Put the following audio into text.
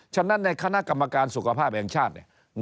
ฉะนั้นในคณะกรรมการสุขภาพแห่งชาติ